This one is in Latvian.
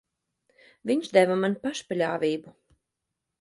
Viņš deva man pašpaļāvību.